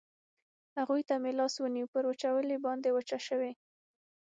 هغوی ته مې لاس ونیو، پر وچولې باندې وچه شوې.